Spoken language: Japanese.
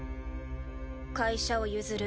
会社を譲る。